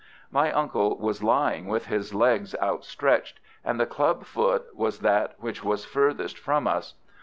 My uncle was lying with his legs outstretched, and the club foot was that which was furthest from us.